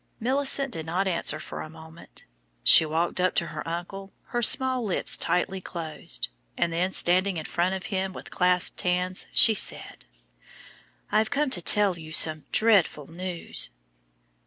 Milly did not answer for a moment. She walked up to her uncle, her small lips tightly closed, and then, standing in front of him with clasped hands, she said, "I've come to tell you some dreadful news."